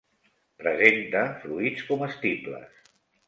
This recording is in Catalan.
Presenta fruits comestibles.